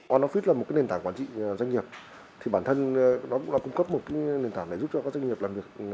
on office là một nền tảng quản trị doanh nghiệp bản thân nó cũng là cung cấp một nền tảng để giúp cho các doanh nghiệp làm việc từ xa